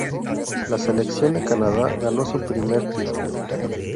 La selección de Canadá ganó su primer título.